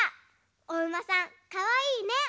おうまさんかわいいね。